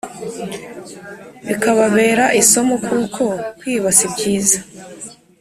Bikababera isomo kuko kwiba sibyiza